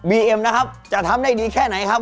เอ็มนะครับจะทำได้ดีแค่ไหนครับ